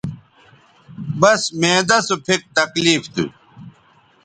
بس معدہ سو پھک تکلیف تھو